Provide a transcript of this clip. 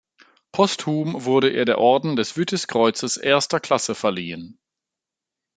Posthum wurde ihr der Orden des Vytis-Kreuzes erster Klasse verliehen.